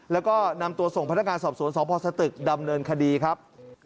แล้วก็นำตัวส่งพนักงานสอบสวนสพสตึกดำเนินคดีครับ